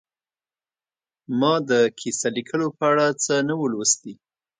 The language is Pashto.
ما د کیسه لیکلو په اړه څه نه وو لوستي